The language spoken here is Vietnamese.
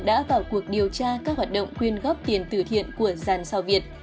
đã vào cuộc điều tra các hoạt động quyên góp tiền từ thiện của dàn sao việt